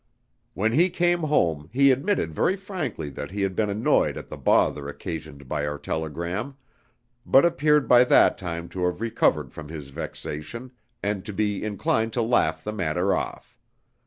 "When he came home he admitted very frankly that he had been annoyed at the bother occasioned by our telegram, but appeared by that time to have recovered from his vexation, and to be inclined to laugh the matter off.